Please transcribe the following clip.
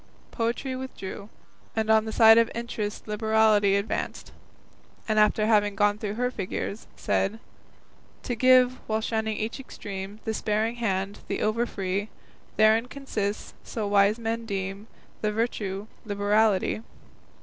Poetry withdrew, and on the side of Interest Liberality advanced, and after having gone through her figures, said: To give, while shunning each extreme, The sparing hand, the over free, Therein consists, so wise men deem, The virtue Liberality.